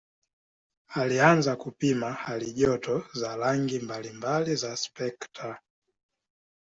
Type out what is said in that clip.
Alianza kupima halijoto za rangi mbalimbali za spektra.